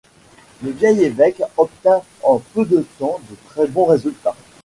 Le vieil évêque obtint en peu de temps de très bons résultats.